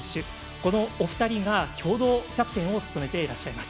このお二人が共同キャプテンを務めていらっしゃいます。